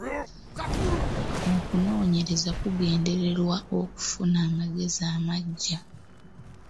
Okunoonyereza kugendererwa okufuna amagezi amaggya.